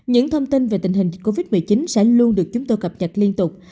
những thông tin về tình hình covid một mươi chín sẽ luôn được chúng tôi cập nhật liên tục